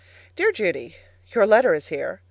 Dear Judy: Your letter is here.